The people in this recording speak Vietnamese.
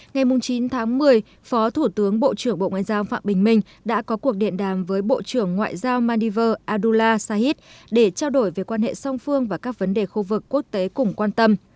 ngày chín tháng một mươi phó thủ tướng bộ trưởng bộ ngoại giao phạm bình minh đã có cuộc điện đàm với bộ trưởng ngoại giao maldives adulla sahid để trao đổi về quan hệ song phương và các vấn đề khu vực quốc tế cùng quan tâm